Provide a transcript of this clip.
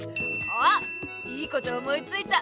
あっいいこと思いついた！